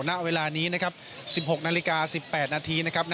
ณเวลานี้นะครับ๑๖นาฬิกา๑๘นาทีนะครับ